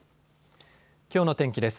きょうの天気です。